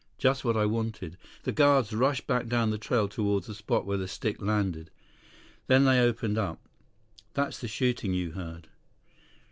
Just what I wanted. The guards rushed back down the trail toward the spot where the stick landed. Then they opened up. That's the shooting you heard."